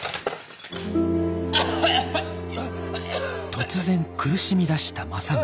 突然苦しみだした政宗。